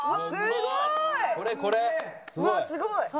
すごい！